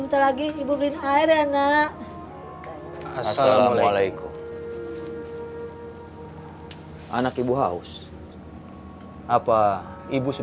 tidak usah mas